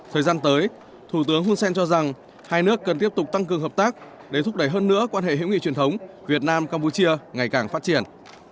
thời gian tới thủ tướng hun sen cho rằng hai nước cần tiếp tục tăng cường hợp tác để thúc đẩy hơn nữa quan hệ hữu nghị truyền thống việt nam campuchia ngày càng phát triển